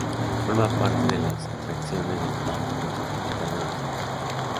Forma parte de las atracciones del Parque Metropolitano de Santiago.